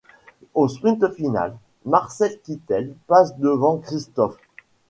Au sprint final, Marcel Kittel passe devant Kristoff.